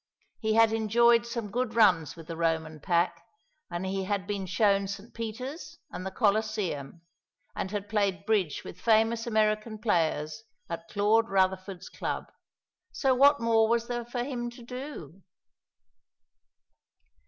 He had enjoyed some good runs with the Roman pack, and he had been shown St. Peter's and the Colosseum, and had played bridge with famous American players at Claude Rutherford's club; so what more was there for him to do?